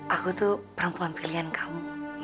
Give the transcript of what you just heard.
aku tuh perempuan pilihan kamu